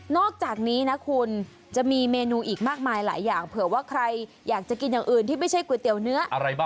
อกจากนี้นะคุณจะมีเมนูอีกมากมายหลายอย่างเผื่อว่าใครอยากจะกินอย่างอื่นที่ไม่ใช่ก๋วยเตี๋ยวเนื้ออะไรบ้าง